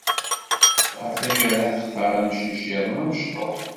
Ɣer tagara textar amcic-iḍen amecṭuḥ.